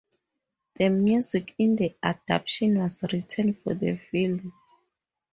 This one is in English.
The music in the adaptation was written for the film.